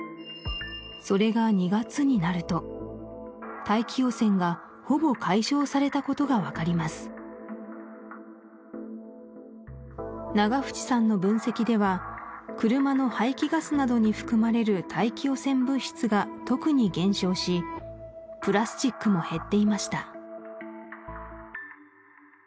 それが２月になると大気汚染がほぼ解消されたことが分かります永淵さんの分析では車の排気ガスなどに含まれる大気汚染物質が特に減少しプラスチックも減っていました